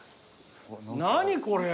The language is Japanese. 何これ。